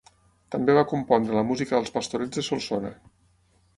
També va compondre la música dels Pastorets de Solsona.